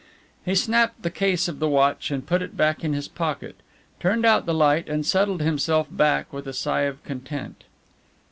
He snapped the case of the watch and put it back in his pocket, turned out the light and settled himself back with a sigh of content.